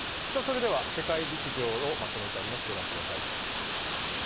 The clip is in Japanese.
世界陸上をまとめてあります、ご覧ください。